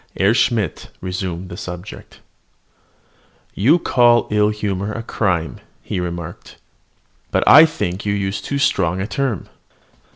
Herr Schmidt resumed the subject. "You call ill humour a crime," he remarked, "but I think you use too strong a term."